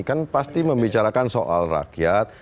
kan pasti membicarakan soal rakyat